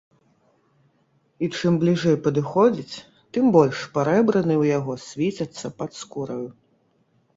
І чым бліжэй падыходзіць, тым больш парэбрыны ў яго свіцяцца пад скураю.